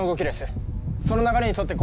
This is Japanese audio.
その流れに沿ってパパパ